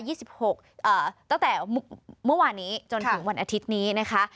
ตั้งแต่เมื่อวานนี้จนถึงวันอาทิตย์นี้นะคะ